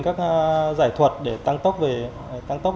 các giải thuật để tăng tốc